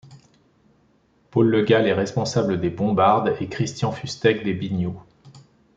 Paul Le Gall est responsable des bombardes et Christian Fustec des binioù.